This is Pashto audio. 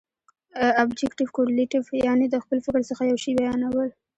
ابجګټف کورلیټف، یعني د خپل فکر څخه یو شي بیانول.